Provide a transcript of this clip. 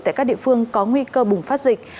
tại các địa phương có nguy cơ bùng phát dịch